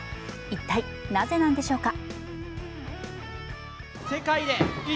一体、なぜなんでしょうか。